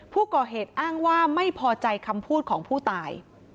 ผู้ก่อเหตุอ้างว่าไม่พอใจคำพูดของผู้ตาย